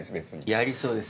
やりそうです。